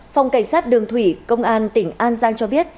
phòng cảnh sát đường thủy công an tỉnh an giang cho biết